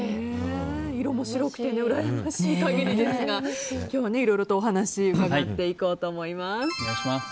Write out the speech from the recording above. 色も白くてうらやましい限りですが今日はいろいろとお話伺っていこうと思います。